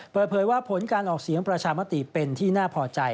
เปิดเผยว่าผลการออกเสียงประชามติเป็นที่น่าพอใจ